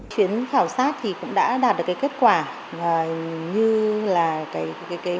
chuyến khảo sát thì cũng đã đạt được cái kết quả như là cái mục đích mà mình đề ra